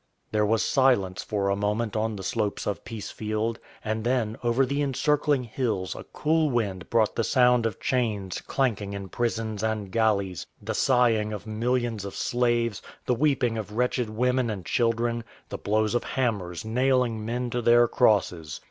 There was silence for a moment on the slopes of Peacefield, and then over the encircling hills a cool wind brought the sound of chains clanking in prisons and galleys, the sighing of millions of slaves, the weeping of wretched women and children, the blows of hammers nailing men to their crosses.